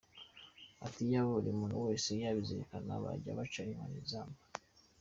Ati:”Iyaba buri muntu wese yabizirikanaga bajya baca inkoni izamba.